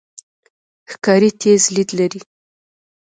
ښکاري تیز لید لري.